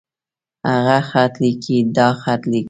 هغۀ خط ليکي. دا خط ليکي.